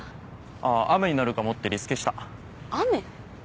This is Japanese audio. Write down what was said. ああ雨になるかもってリスケした雨？